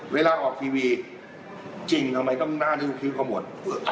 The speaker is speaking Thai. เวลาออกทีวีจริงทำไมต้องน่าดูคลิปเขาหมด